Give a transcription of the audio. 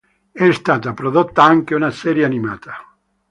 È stata prodotta anche una serie animata.